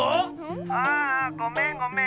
ああごめんごめん。